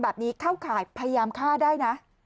แบบนี้เข้าข่ายพยายามฆ่าได้นะ